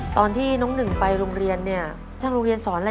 ตอนที่น้องหนึ่งไปโรงเรียนเนี่ยทางโรงเรียนสอนอะไร